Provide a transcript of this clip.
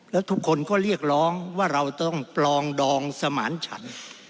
แล้วทุกคนก็เรียกร้องว่าเราต้องปลองดองสมานฉัน